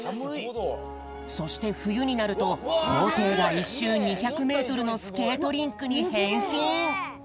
そしてふゆになるとこうていが１しゅう２００メートルのスケートリンクにへんしん！